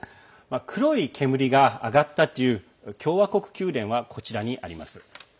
黒い煙が上がったという共和国宮殿はこちらにあります。